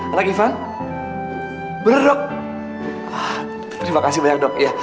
anak ivan bener dok terima kasih banyak dok